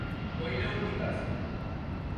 হইলেও ঠিক আছে।